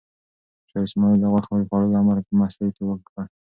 شاه اسماعیل د غوښو خوړلو امر په مستۍ کې ورکړ.